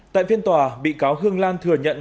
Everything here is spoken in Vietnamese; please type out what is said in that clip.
tại phiên tòa bị cáo hương lan thừa nhận